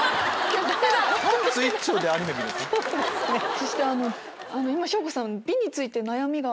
そして今翔子さん。